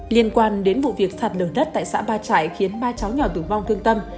liên quan đến vụ việc sạt lở đất tại xã ba trại khiến ba cháu nhỏ tử vong thương tâm